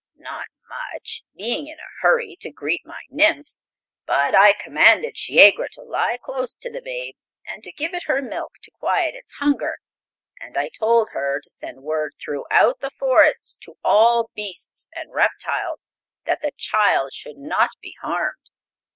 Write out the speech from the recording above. "Not much, being in a hurry to greet my nymphs. But I commanded Shiegra to lie close to the babe, and to give it her milk to quiet its hunger. And I told her to send word throughout the forest, to all beasts and reptiles, that the child should not be harmed."